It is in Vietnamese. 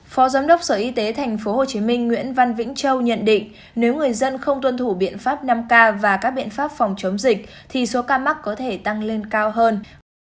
phó giám đốc sở y tế tp hcm nguyễn văn vĩnh châu nhận định nếu người dân không tuân thủ biện pháp năm k và các biện pháp phòng chống dịch thì số ca mắc có thể tăng lên cao hơn